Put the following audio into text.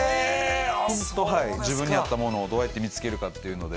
本当、自分に合ったものをどうやって見つけるかっていうので。